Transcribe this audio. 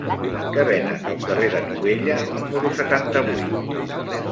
Què venen al carrer de Tubella número setanta-vuit?